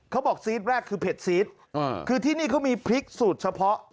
ซีสแรกคือเผ็ดซีสคือที่นี่เขามีพริกสูตรเฉพาะ